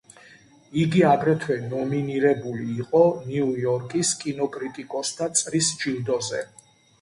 იგი აგრეთვე ნომინირებული იყო ნიუ-იორკის კინოკრიტიკოსთა წრის ჯილდოზე.